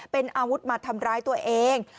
เป็นอาวุธมาทำร้ายตัวเอง